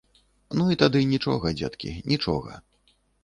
Ну і тады нічога, дзеткі, нічога!